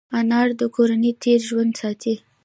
انا د کورنۍ تېر ژوند ساتي